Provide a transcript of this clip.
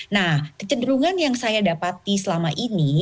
nah kecenderungan yang saya dapati selama ini